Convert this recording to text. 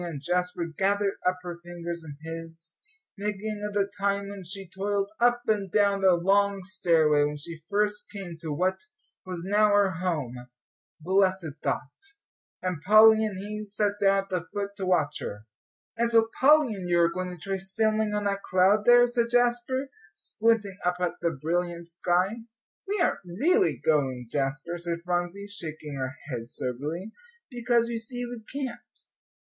And Jasper gathered up her fingers in his, thinking of the time when she toiled up and down the long stairway, when she first came to what was now her home, blessed thought! and Polly and he sat down at the foot to watch her. "And so Polly and you are going to try sailing on that cloud there," said Jasper, squinting up at the brilliant sky. "We aren't really going, Jasper," said Phronsie, shaking her head, soberly, "because you see we can't.